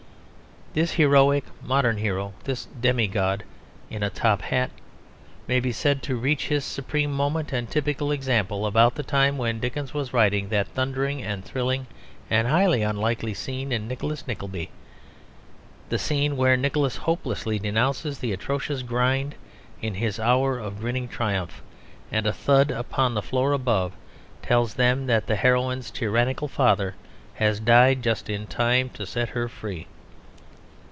This heroic modern hero, this demi god in a top hat, may be said to reach his supreme moment and typical example about the time when Dickens was writing that thundering and thrilling and highly unlikely scene in Nicholas Nickleby, the scene where Nicholas hopelessly denounces the atrocious Gride in his hour of grinning triumph, and a thud upon the floor above tells them that the heroine's tyrannical father has died just in time to set her free.